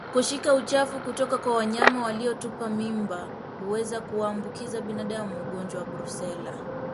Kushika uchafu kutoka kwa wanyama waliotupa mimba huweza kuwaambukiza binadamu ugonjwa wa Brusela